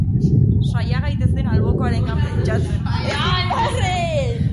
Saia gaitezen albokoarengan pentsatzen.